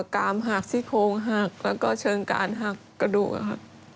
กามหักซี่โครงหักแล้วก็เชิงการหักกระดูกค่ะ